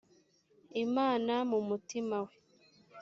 imana mu mutima we